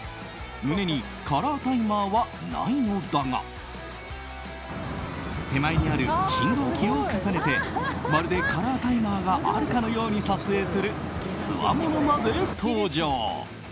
胸にカラータイマーはないのだが手前にある信号機を重ねてまるでカラータイマーがあるかのように撮影するつわものまで登場。